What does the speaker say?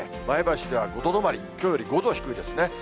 前橋では５度止まり、きょうより５度低いですね。